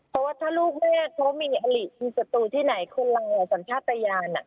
เพราะว่าถ้าลูกแม่เขามีอลิมีศัตรูที่ไหนคนเราสัญชาติยาน